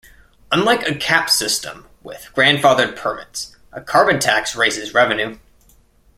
Unlike a cap system with grandfathered permits, a carbon tax raises revenues.